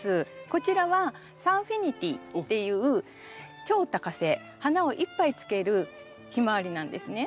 こちらはサンフィニティっていう超多花性花をいっぱいつけるヒマワリなんですね。